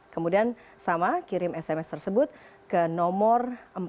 kemudian sama kirim sms tersebut ke nomor empat ribu empat ratus empat puluh empat